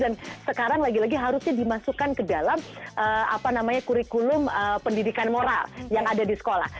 dan sekarang lagi lagi harusnya dimasukkan ke dalam apa namanya kurikulum pendidikan moral yang ada di sekolah